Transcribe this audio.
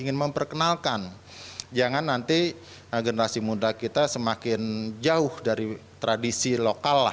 ingin memperkenalkan jangan nanti generasi muda kita semakin jauh dari tradisi lokal lah